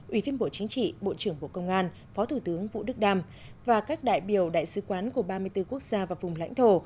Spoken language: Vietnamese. ủy viên bộ chính trị bộ trưởng bộ công an phó thủ tướng vũ đức đam và các đại biểu đại sứ quán của ba mươi bốn quốc gia và vùng lãnh thổ